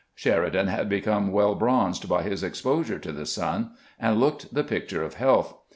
Sheridan had become well bronzed by his exposure to the sun, and looked the picture of health.